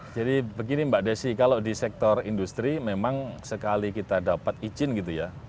begini mbak desi kalau di sektor industri memang sekali kita dapat izin gitu ya